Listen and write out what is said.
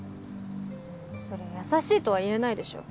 そりゃ優しいとは言えないでしょ。